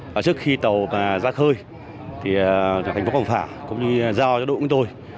trước khi tàu ra khơi thành phố cộng phả cũng như giao cho đội quân tôi